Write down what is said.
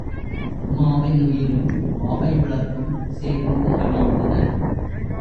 உமாவின் உயிரும் பாவை விளக்கும் சேர்ந்து அணைந்தன.